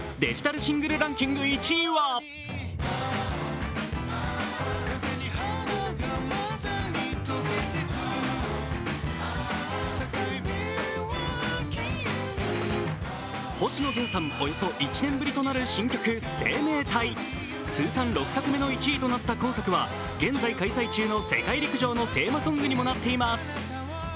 デジタルシングルランキング１位は星野源さん、およそ１年ぶりとなる新曲「生命体」通算６作目の１位となった今作は現在開催中の世界陸上のテーマソングにもなっています。